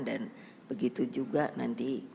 dan begitu juga nanti